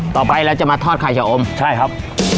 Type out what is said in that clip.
ต่อไปแล้วจะมาทอดไข่ชะโอมใช่ครับ